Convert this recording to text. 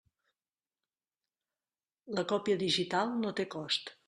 La còpia digital no té cost.